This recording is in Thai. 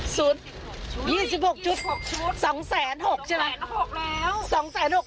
๐๖ชุด๒๖ชุด๒๖ชุด๒๖๖ใช่ไหมครับ๒๖๖แล้ว